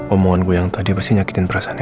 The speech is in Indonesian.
omongan gue yang tadi pasti nyakitin perasaan andin